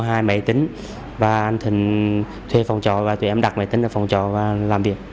tụi em mua hai máy tính và anh thịnh thuê phòng trò và tụi em đặt máy tính ở phòng trò và làm việc